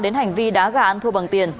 đến hành vi đá gà ăn thua bằng tiền